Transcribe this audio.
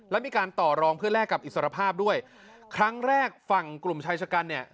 และมีการต่อรองเพื่อแลกกับอิสรภาพด้วยครั้งแรกฝั่งกลุ่มชายชะกันเนี่ย